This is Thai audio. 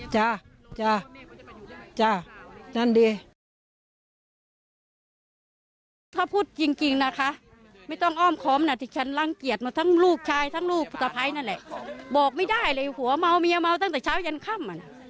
ใช่ทั้งลูกพุทธภัยนั่นแหละบอกไม่ได้เลยหัวเมาเมียเมาตั้งแต่เช้าเย็นค่ำ